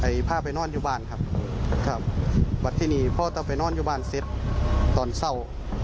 พาไปนอนอยู่บ้านครับครับวัดที่นี่พ่อต้องไปนอนอยู่บ้านเสร็จตอนเศร้า